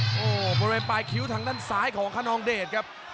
โอ้โหบริเวณปลายคิ้วทางด้านซ้ายของคนนองเดชครับ